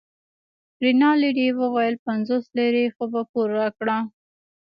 رینالډي وویل پنځوس لیرې خو په پور راکړه.